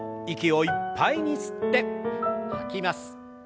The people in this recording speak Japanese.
息をいっぱいに吸って吐きます。